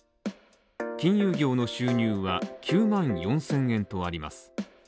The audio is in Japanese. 金融業の収入は９万４０００円とあります。